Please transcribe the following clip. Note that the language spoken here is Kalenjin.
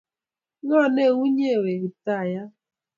ng’o ne u inye we kiptaiyat